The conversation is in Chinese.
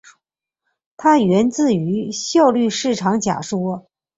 它源自于效率市场假说。